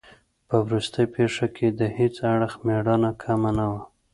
په وروستۍ پېښه کې د هیڅ اړخ مېړانه کمه نه وه.